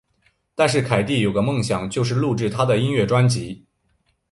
但是凯蒂有个梦想就是录制她的音乐专辑。